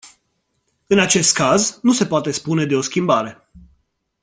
În acest caz, nu se poate spune de o schimbare.